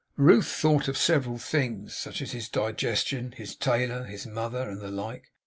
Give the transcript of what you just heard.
Ruth thought of several things; such as his digestion, his tailor, his mother, and the like.